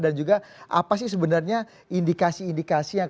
dan juga apa sih sebenarnya indikasi indikasi